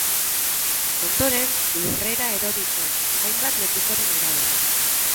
Ondoren, lurrera erori zen, hainbat lekukoren arabera.